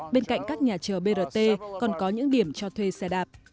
bên cạnh các nhà chờ brt còn có những điểm cho thuê xe đạp